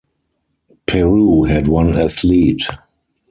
Peru had one athlete.